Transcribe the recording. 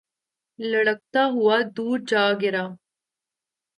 لڑھکتا ہوا دور جا گرا